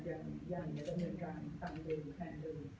ทุกอย่างจะเหมือนกันตามเดิมแทนเดิม